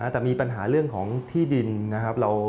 แต่มีปัญหาเรื่องของที่ดินนะครับ